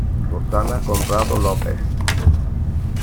Rosana Conrado Lopes